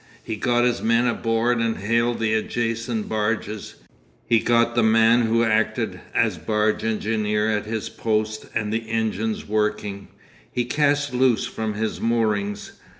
He got his men aboard and hailed the adjacent barges; he got the man who acted as barge engineer at his post and the engines working, he cast loose from his moorings.